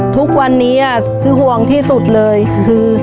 ทุกวันนี้คือห่วงที่สุดเลยคือ